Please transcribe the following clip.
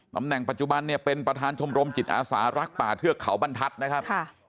ตำแหน่งปัจจุบันเนี่ยเป็นประธานชมรมจิตอาสารักษ์ป่าเทือกเขาบรรทัศน์นะครับ